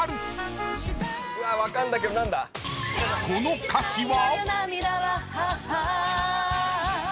［この歌詞は？］